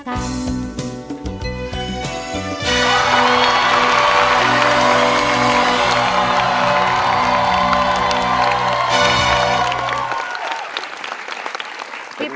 ใจทดสกัน